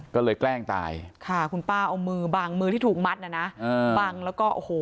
ก็เลยแกล้งตายค่ะคุณป้าเอามือบังมือที่ถูกมัดน่ะนะอ่าบังแล้วก็โอ้โห